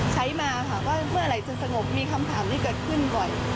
ใช้มาค่ะว่าเมื่อไหร่จะสงบมีคำถามนี้เกิดขึ้นบ่อย